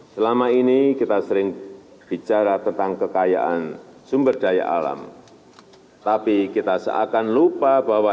selama ini kita sering bicara tentang kekayaan sumber daya alam tapi kita seakan lupa bahwa